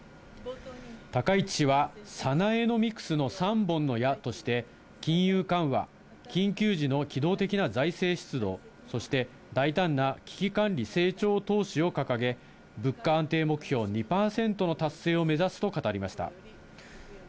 高市氏はサナエノミクスの３本の矢として、金融緩和、緊急時の機動的な財政出動、そして大胆な危機管理成長投資を掲げ、物価安定目標２％の達成を目指すと語りました。